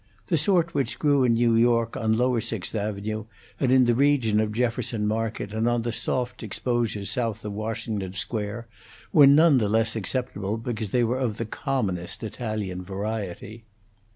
The sort which grew in New York, on lower Sixth Avenue and in the region of Jefferson Market and on the soft exposures south of Washington Square, were none the less acceptable because they were of the commonest Italian variety.